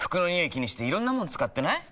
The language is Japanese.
気にしていろんなもの使ってない？